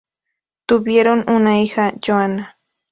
Tuvieron una hija, Joanna.